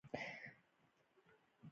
پۀ فکر کښې لاړم ـ